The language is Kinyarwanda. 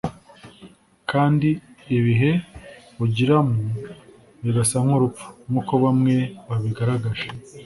kandi “ibihe ugiriramo bigasa nk’urupfu” nk’uko bamwe babigaragaje